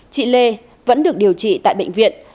chị lê vẫn được điều trị tại bệnh viện